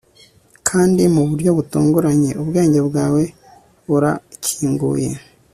kandi mu buryo butunguranye ubwenge bwawe burakinguye